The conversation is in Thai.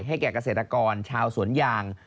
แก่เกษตรกรชาวสวนยาง